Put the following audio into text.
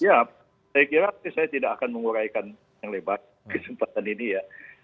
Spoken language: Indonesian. ya saya kira saya tidak akan menguraikan yang lebar kesempatan ini ya